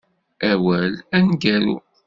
Awal aneggaru.